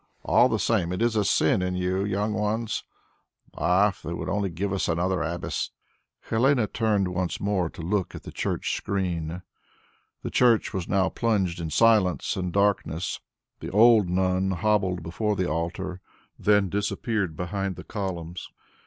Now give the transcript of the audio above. All the same, it is a sin in you young ones. Ah, if they would only give us another abbess." Helene turned once more to look at the church screen. The church was now plunged in silence and darkness; the old nun hobbled before the altar, then disappeared behind the columns.